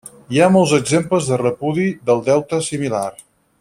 Hi ha molts exemples de repudi del deute similar.